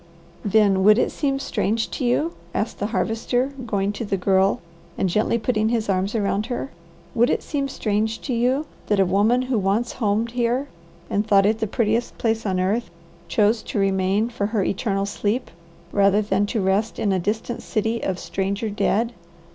"Then would it seem strange to you," asked the Harvester going to the Girl and gently putting his arms around her, "would it seem strange to you, that a woman who once homed here and thought it the prettiest place on earth, chose to remain for her eternal sleep, rather than to rest in a distant city of stranger dead?"